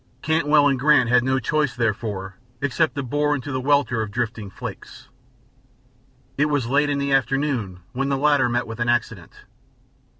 Cantwell and Grant had no choice, therefore, except to bore into the welter of drifting flakes. It was late in the afternoon when the latter met with an accident.